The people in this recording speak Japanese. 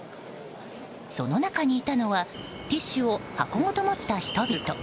その中にいたのはティッシュを箱ごと持った人々。